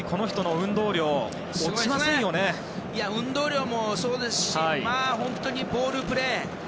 運動量もそうですし本当にボールプレー。